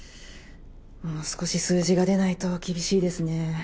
もう少し数字が出ないと厳しいですね。